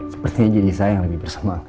sepertinya jadi saya yang lagi bersamaku lah ya